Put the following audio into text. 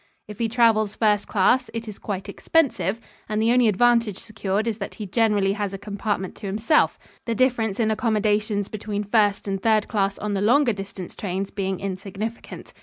If he travels first class, it is quite expensive, and the only advantage secured is that he generally has a compartment to himself, the difference in accommodations between first and third class on the longer distance trains being insignificant.